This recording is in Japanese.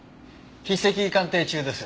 筆跡鑑定中です。